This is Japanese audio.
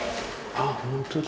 あっ、本当だ。